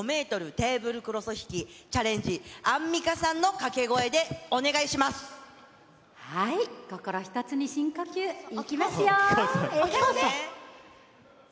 テーブルクロス引きチャレンジ、アンミカさんの掛けはい、心一つに、深呼吸、いきますよ。